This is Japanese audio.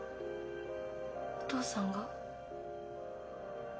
お父さんが？